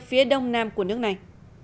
phía đông nam của nước này